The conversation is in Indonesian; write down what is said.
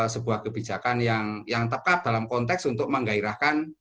sebuah kebijakan yang tepat dalam konteks untuk menggairahkan